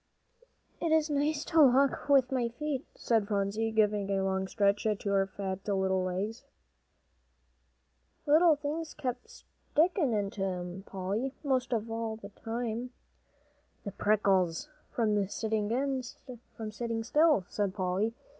"It is nice to walk with my feet," said Phronsie, giving a long stretch to her fat little legs. "Little things kept sticking into 'em, Polly, most all the time." "The prickles, from sitting still," said Polly.